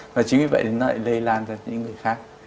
và chính vì vậy nó lại lây lan cho những người khác